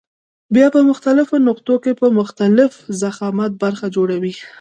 بیا په مختلفو نقطو کې په مختلف ضخامت برخه جوړوي.